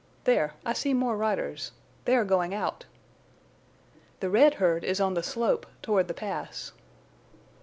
There! I see more riders. They are going out." "The red herd is on the slope, toward the Pass."